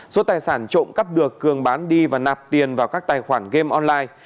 số tài sản trộm cắp được cường bán đi và nạp tiền vào các tài khoản game online